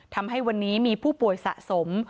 ทำให้วันนี้มีผู้ป่วยสะสม